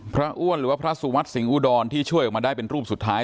อ้วนหรือว่าพระสุวัสดิ์อุดรที่ช่วยออกมาได้เป็นรูปสุดท้าย